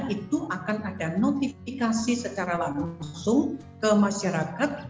itu akan ada notifikasi secara langsung ke masyarakat